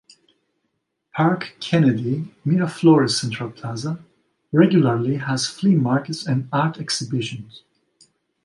"Parque Kennedy", Miraflores' central plaza, regularly has flea markets and art exhibitions.